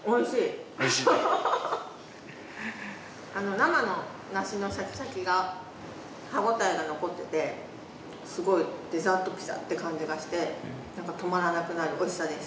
生の梨のシャキシャキが歯応えが残っててすごいデザートピザって感じがしてなんか止まらなくなる美味しさです。